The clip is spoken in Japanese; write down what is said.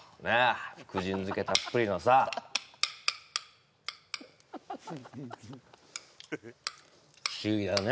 福神漬けたっぷりのさ不思議だね